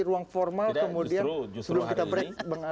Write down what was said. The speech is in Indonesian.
ruang formal kemudian